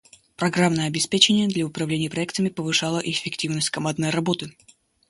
Программное обеспечение для управления проектами повышало эффективность командной работы.